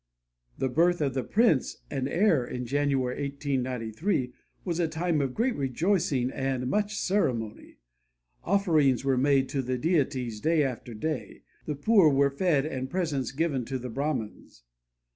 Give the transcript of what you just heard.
The birth of the prince and heir in January, 1893, was a time of great rejoicing and much ceremony. Offerings were made to the deities day after day, the poor were fed and presents given to the Brahmans.